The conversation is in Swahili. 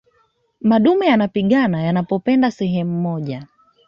madume yanapigana wanapopenda sehemu moja